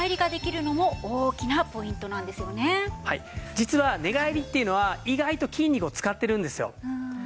実は寝返りっていうのは意外と筋肉を使ってるんですよ。